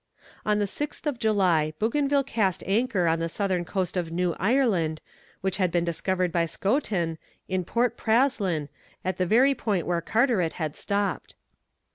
On the 6th of July Bougainville cast anchor on the southern coast of New Ireland, which had been discovered by Schouten, in Port Praslin, at the very point where Carteret had stopped.